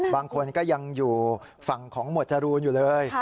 บางคนก็ยังอยู่ฝั่งของหมวดจรูนอยู่เลย